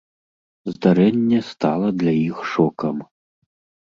Здарэнне стала для іх шокам.